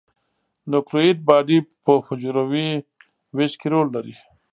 نوکلوئید باډي په حجروي ویش کې رول لري.